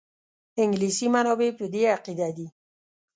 انګلیسي منابع په دې عقیده دي.